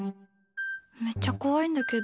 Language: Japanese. めっちゃ怖いんだけど。